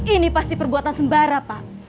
ini pasti perbuatan sembara pak